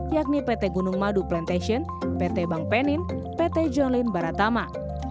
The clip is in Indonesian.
yakni pt gunung madu plantation pt bank penin pt john lynn baratama